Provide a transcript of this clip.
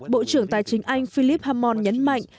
bộ trưởng tài chính anh philip hammond nhấn mạnh